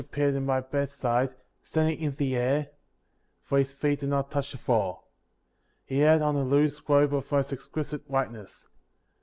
89 appeared at my bedside, standing in the air, for his feet did not touch the floor. 31. He had on a loose robe of most exquisite whiteness.